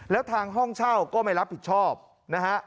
แล้วทางห้องเช่าก็ไม่รับผิดชอบนะฮะ